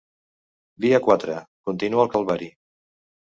Dia quatre: Continua el calvari.